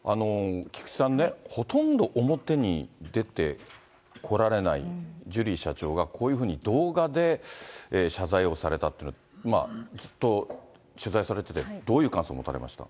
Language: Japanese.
菊池さんね、ほとんど表に出てこられないジュリー社長が、こういうふうに動画で謝罪をされたっていうの、まあ、ずっと取材されていて、どういう感想を持たれました？